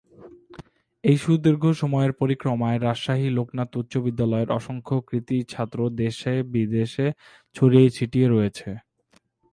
এই সুদীর্ঘ সময়ের পরিক্রমায় রাজশাহী লোকনাথ উচ্চ বিদ্যালয়ের অসংখ্য কৃতি ছাত্র দেশ-বিদেশে ছড়িয়ে ছিটিয়ে রয়েছে।